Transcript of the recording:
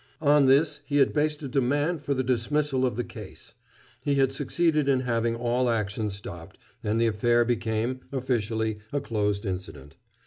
On this he had based a demand for the dismissal of the case. He had succeeded in having all action stopped and the affair became, officially, a closed incident.